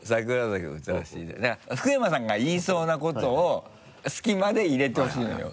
だから福山さんが言いそうなことを隙間で入れてほしいのよ。